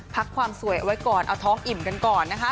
พักความสวยเอาไว้ก่อนเอาท้องอิ่มกันก่อนนะคะ